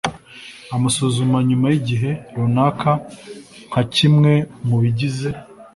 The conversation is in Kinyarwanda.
Amasuzuma nyuma y igihe runaka nka kimwe mu bigize